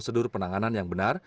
prosedur penanganan yang benar